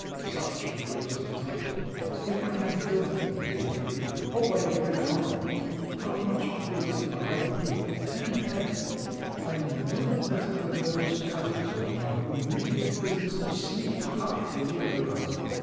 "Such a waste of time. If I had built in a bakery or by a brick oven how much busier I might be and happier. I'm no better than those cousins of mine who make it a business to sleep half the year around."